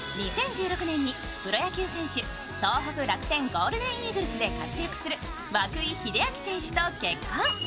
２０１６年にプロ野球選手東北楽天ゴールデンイーグルスで活躍する涌井秀章選手と結婚。